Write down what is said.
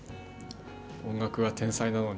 音楽は天才なのに。